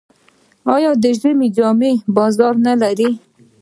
آیا د ژمي جامې بازار نلري؟